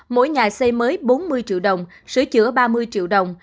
mỗi nhà xây mới bốn mươi triệu đồng sửa chữa ba mươi triệu đồng